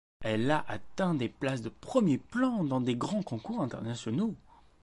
Elle a atteint des places de premier plan dans de grands concours internationaux.